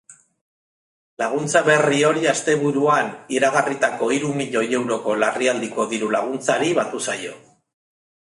Laguntza berri hori asteburuan iragarritako hiru milioi euroko larrialdiko diru-laguntzari batu zaio.